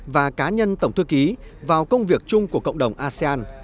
và cá nhân tổng thư ký vào công việc chung của cộng đồng asean